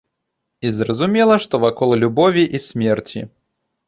І зразумела, што вакол любові і смерці.